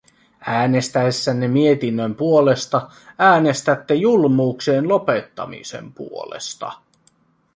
Äänestäessänne mietinnön puolesta äänestätte julmuuksien lopettamisen puolesta.